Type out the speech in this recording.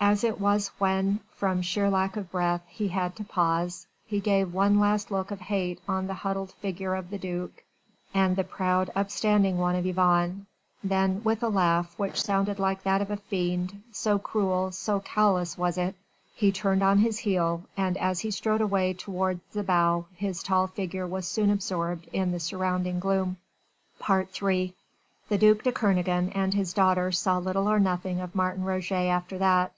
As it was when, from sheer lack of breath, he had to pause, he gave one last look of hate on the huddled figure of the duc, and the proud, upstanding one of Yvonne, then with a laugh which sounded like that of a fiend so cruel, so callous was it, he turned on his heel, and as he strode away towards the bow his tall figure was soon absorbed in the surrounding gloom. III The duc de Kernogan and his daughter saw little or nothing of Martin Roget after that.